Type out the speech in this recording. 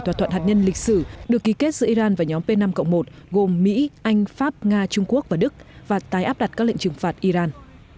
thỏa thuận hạt nhân lịch sử được ký kết giữa iran và nhóm p năm một gồm mỹ anh pháp nga trung quốc và đức và tái áp đặt các lệnh trừng phạt iran